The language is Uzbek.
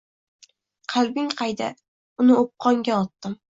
“Qalbing qayda?” – “Uni o’pqonga otdim”.